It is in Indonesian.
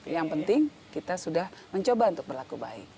yang penting kita sudah mencoba untuk berlaku baik